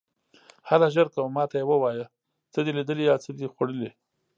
هله ژر کوه، ما ته یې ووایه، څه دې لیدلي یا څه دې خوړلي.